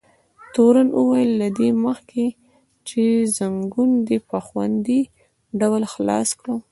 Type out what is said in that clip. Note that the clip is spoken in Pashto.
تورن وویل: له دې مخکې چې ځنګون دې په خوندي ډول خلاص کړو.